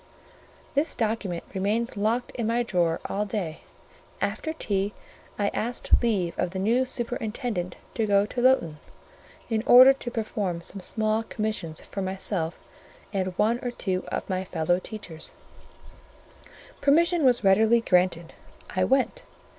This document remained locked in my drawer all day: after tea, I asked leave of the new superintendent to go to Lowton, in order to perform some small commissions for myself and one or two of my fellow teachers; permission was readily granted; I went.